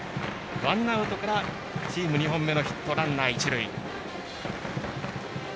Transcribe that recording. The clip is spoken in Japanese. ワンアウトからチーム２本目のヒットでランナー、一塁。